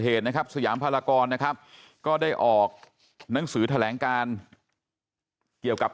เหตุนะครับสยามพลากรนะครับก็ได้ออกหนังสือแถลงการเกี่ยวกับ